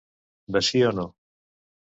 De sí o no.